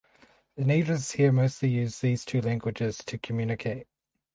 The natives here mostly used these two languages to communicate.